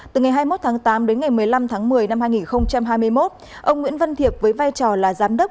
từ ngày hai mươi một tháng tám đến ngày một mươi năm tháng một mươi năm hai nghìn hai mươi một ông nguyễn văn thiệp với vai trò là giám đốc